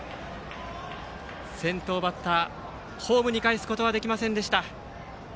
先頭バッターをホームにかえすことはできませんでした。